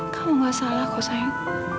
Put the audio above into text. kamu gak salah kau sayang